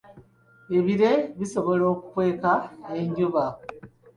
Ebire bisobola okukweka enjuba.